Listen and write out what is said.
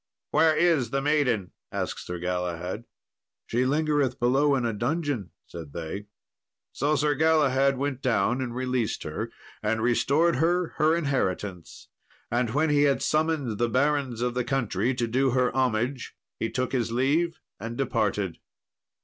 "Where is the maiden?" asked Sir Galahad. "She lingereth below in a dungeon," said they. So Sir Galahad went down and released her, and restored her her inheritance; and when he had summoned the barons of the country to do her homage, he took his leave, and departed.